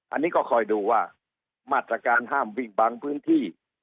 อันนี้ก็คอยดูว่ามาตรการห้ามวิ่งบางพื้นที่